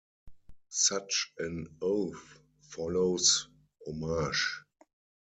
Such an oath follows homage.